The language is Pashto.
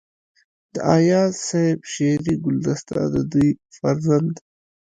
د اياز صيب شعري ګلدسته دَ دوي فرزند